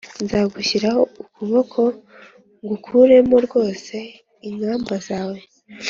Nzagushyiraho ukuboko ngukuremo rwose inkamba zawe